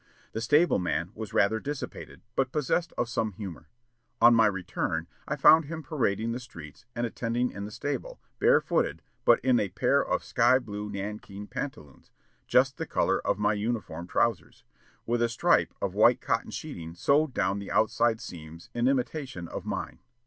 The stable man was rather dissipated, but possessed of some humor. On my return, I found him parading the streets, and attending in the stable, barefooted, but in a pair of sky blue nankeen pantaloons just the color of my uniform trousers with a strip of white cotton sheeting sewed down the outside seams in imitation of mine.